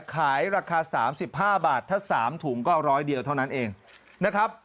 ขายราคา๓๕บาทถ้า๓ถุงก็ร้อยเดียวเท่านั้นเองนะครับ